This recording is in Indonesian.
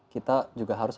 kita juga harus